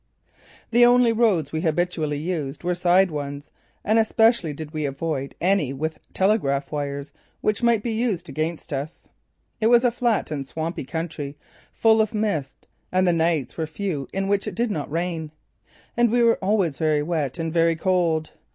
The only roads we habitually used were side ones, and especially did we avoid any with telegraph wires which might be used against us. It was a flat and swampy country, full of mist, and the nights were few in which it did not rain. And we were always very wet and very cold.